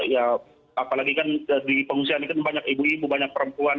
ya apalagi kan di pengungsian ini kan banyak ibu ibu banyak perempuan